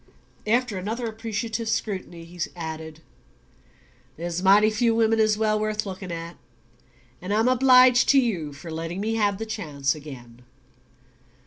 After another appreciative scrutiny he added: "There's mighty few women as well worth looking at, and I'm obliged to you for letting me have the chance again."